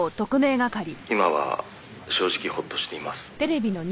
「今は正直ホッとしています」